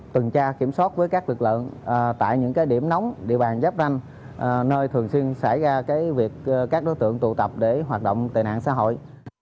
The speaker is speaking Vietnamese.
tuần tra kiểm soát với các lực lượng tại những điểm nóng địa bàn giáp ranh nơi thường xuyên xảy ra việc các đối tượng tụ tập để hoạt động tệ nạn xã hội